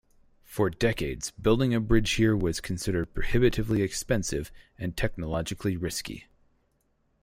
For decades, building a bridge here was considered prohibitively expensive and technologically risky.